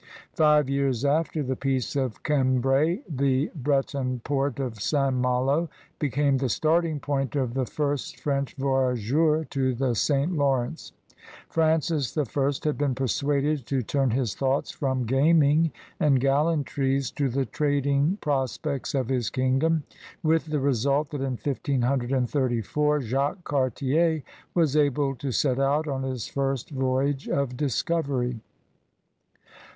Five years after the peace of Cambrai the Breton port of St. Malo became the starting point of the first French voyageur to the St. Lawrence. Francis I had been persuaded to turn his thoughts from gaming and gallantries to the trading pros pects of his kingdom, with the result that in 1534 Jacques Cartier was able to set out on his first voyage of discovery.